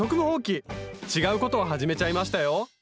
違うことを始めちゃいましたよ。